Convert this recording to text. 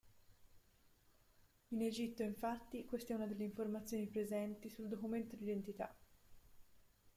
In Egitto, infatti, questa è una delle informazioni presenti sul documento di identità.